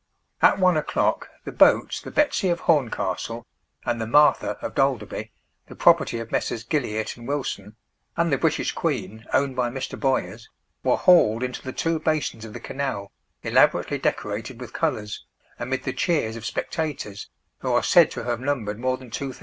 At one o'clock the boats the Betsy of Horncastle, and the Martha of Dalderby, the property of Messrs. Gilliat & Wilson, and the British Queen, owned by Mr. Boyers, were hauled into the two basins of the canal, elaborately decorated with colours, amid the cheers of spectators, who are said to have numbered more than 2,000.